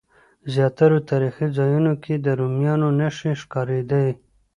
زیاترو تاریخي ځایونو کې د رومیانو نښې ښکارېدې.